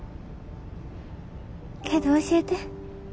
けど教えて。